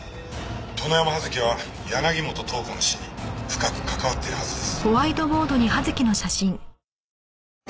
殿山葉月は柳本塔子の死に深く関わっているはずです。